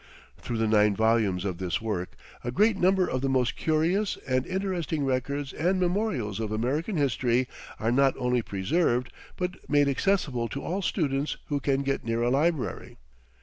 Through the nine volumes of this work a great number of the most curious and interesting records and memorials of American history are not only preserved, but made accessible to all students who can get near a library.